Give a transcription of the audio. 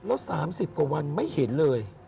แล้ว๓๐กว่าวันไม่เห็นเลย